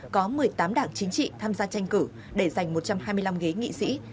có một mươi tám đảng chính trị tham gia tranh cử để giành một trăm hai mươi năm ghế nghị sĩ